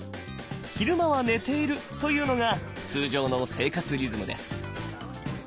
昼間は寝ているというのが通常の生活リズムです。